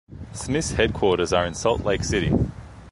Smith's headquarters are in Salt Lake City.